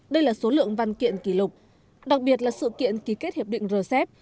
đây là số lượng văn kiện kỷ lục đặc biệt là sự kiện ký kết hiệp định rcep